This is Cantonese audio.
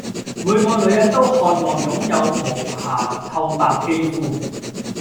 每個女人都渴望擁有無瑕透白肌膚